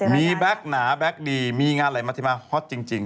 มีแบ็คหนาแบ็คดีมีงานอะไรมาที่มาฮอตจริง